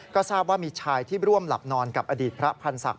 ก็ทราบว่ามีชายที่ร่วมหลับนอนกับอดีตพระพันธ์ศักดิ